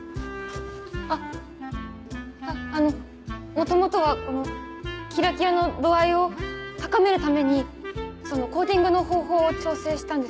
あっあの元々はキラキラの度合いを高めるためにコーティングの方法を調整したんです。